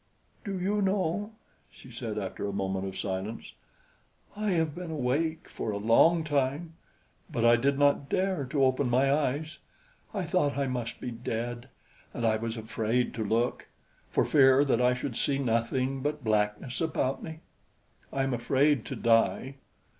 "Do you know," she said after a moment of silence, "I have been awake for a long time! But I did not dare open my eyes. I thought I must be dead, and I was afraid to look, for fear that I should see nothing but blackness about me. I am afraid to die!